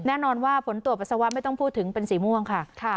แน่นอนว่าผลตรวจปัสสาวะไม่ต้องพูดถึงเป็นสีม่วงค่ะ